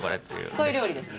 そういう料理です。